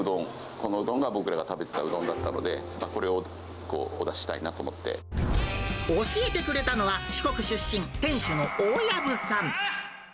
このうどんが僕らが食べてたうどんだったので、これをお出しした教えてくれたのは、四国出身、店主の大藪さん。